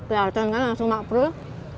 kelihatan kan langsung makbul